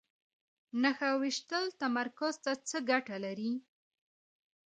نښه ویشتل تمرکز ته څه ګټه لري؟